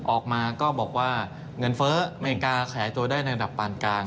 ออกมาก็บอกว่าเงินเฟ้ออเมริกาขายตัวได้ในระดับปานกลาง